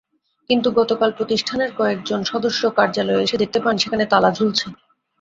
কিন্তু গতকাল প্রতিষ্ঠানের কয়েকজন সদস্য কার্যালয়ে এসে দেখতে পান সেখানে তালা ঝুলছে।